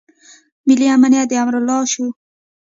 ملي امنیت د امرالله شو.